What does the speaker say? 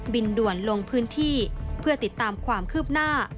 บินด่วนลงพื้นที่เพื่อติดตามความคืบหน้า